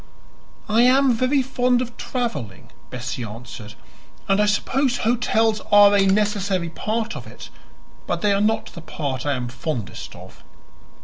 "I am very fond of traveling," Bessie answered, "and I suppose hotels are a necessary part of it. But they are not the part I am fondest of."